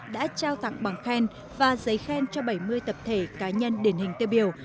đã trao tặng bằng khen và giấy khen cho bảy mươi tập thể cá nhân điển hình tiêu biểu